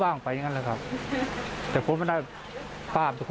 สองสามีภรรยาคู่นี้มีอาชีพ